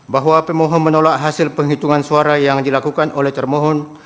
bahwa pemohon menolak hasil penghitungan suara yang dilakukan oleh termohon